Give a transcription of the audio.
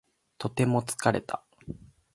とても疲れた